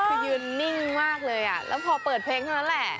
คือยืนนิ่งมากเลยแล้วพอเปิดเพลงเท่านั้นแหละ